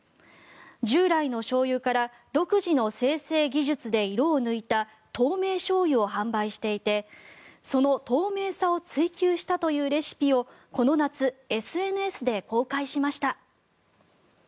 従来のしょうゆから独自の精製技術で色を抜いた透明醤油を販売していてその透明さを追求したというレシピをこの夏、ＳＮＳで公開しました。